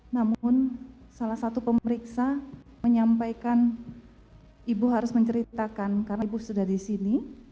namun salah satu pemeriksa menyampaikan ibu harus menceritakan karena ibu sudah di sini